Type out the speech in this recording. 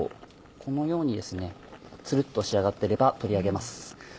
このようにツルっと仕上がってれば取り上げます。